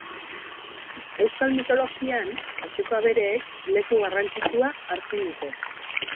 Euskal mitologian etxeko abereek leku garrantzitsua hartzen dute.